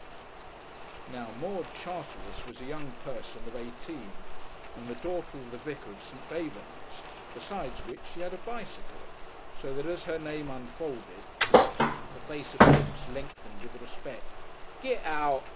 Now, Maud Charteris was a young person of eighteen and the daughter of the vicar of St. Bavon's, besides which she had a bicycle, so that as her name unfolded the face of Kipps lengthened with respect. "Get out!"